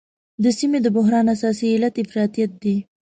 د سیمې د بحران اساسي علت افراطیت دی.